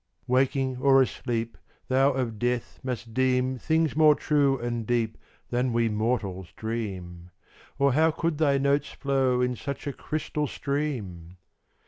Waking or asleep, Thou of death must deem Things more true and deep Than we mortals dream, Or how could thy notes flow in such a crystal stream?